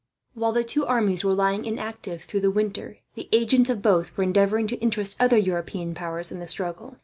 While the two armies were lying inactive through the winter, the agents of both were endeavouring to interest other European powers in the struggle.